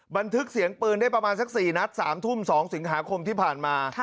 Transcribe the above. บันทึกเสียงปืนได้ประมาณสัก๔นัด๓ทุ่ม๒สิงหาคมที่ผ่านมา